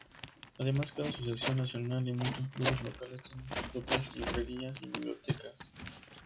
Además cada asociación nacional y muchos clubes locales tienen sus propias librerías y bibliotecas.